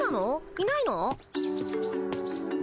いないの？